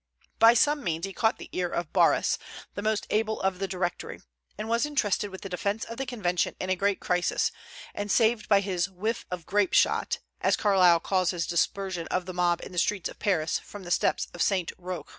By some means he caught the ear of Barras, the most able of the Directory, and was intrusted with the defence of the Convention in a great crisis, and saved it by his "whiff of grapeshot," as Carlyle calls his dispersion of the mob in the streets of Paris, from the steps of St. Roch.